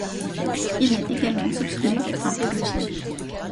Il est également soupçonné d'être un pédophile.